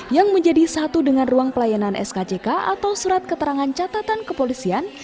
yang menjadi satu dengan ruang pelayanan skck atau surat keterangan catatan kepolisian